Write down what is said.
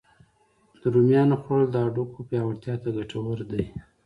د رومیانو خوړل د هډوکو پیاوړتیا ته ګتور دی